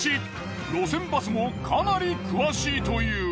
路線バスもかなり詳しいという。